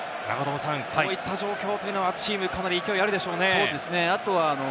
こういった状況というのは、チームかなり勢いあるでしょうね。